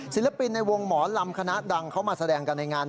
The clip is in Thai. ศิลปินในวงหมอลำคณะดังเขามาแสดงกันในงาน